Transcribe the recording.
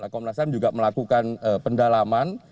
komnas ham juga melakukan pendalaman